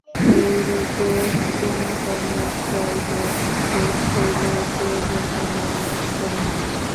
এইরূপে পুণ্যকর্মের ফলভোগ শেষ হইলে দেবগণের পতন হয়।